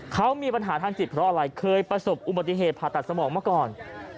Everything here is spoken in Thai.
เขามีปัญหาทางจิตเพราะอะไรเคยประสบอุบัติเหตุผ่าตัดสมองมาก่อน